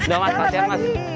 tidak mas masih masih